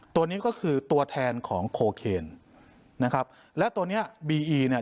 ตัวนี้ก็คือตัวแทนของโคเคนนะครับและตัวเนี้ยบีอีเนี่ย